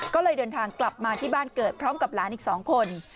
ก็เลยเดินทางกลับมาที่บ้านเกิดพร้อมกับหลานอีก๒คน